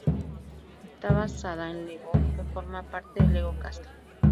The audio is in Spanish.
Esta basada en Lego que forma parte de Lego Castle.